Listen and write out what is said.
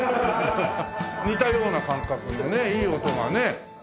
似たような感覚のねいい音がね。